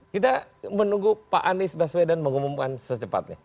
kita menunggu pak anies baswedan mengumumkan secepatnya